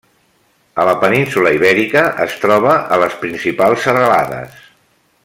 A la península Ibèrica es troba a les principals serralades.